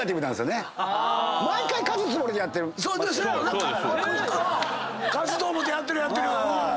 勝つと思ってやってるやってる。